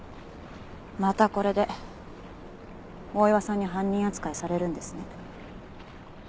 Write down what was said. またこれで大岩さんに犯人扱いされるんですね。